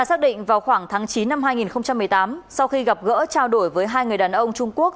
xác định vào khoảng tháng chín năm hai nghìn một mươi tám sau khi gặp gỡ trao đổi với hai người đàn ông trung quốc